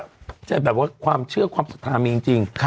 ใครที่แบบว่าความเชื่อความศักดิ์ภาพมีจริง